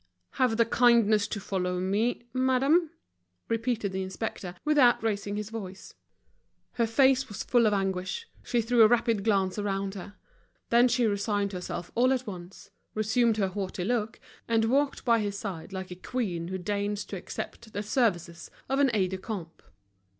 "Have the kindness to follow me, madame," repeated the inspector, without raising his voice. Her face was full of anguish, she threw a rapid glance around her. Then she resigned herself all at once, resumed her haughty look, and walked by his side like a queen who deigns to accept the services of an aide de camp.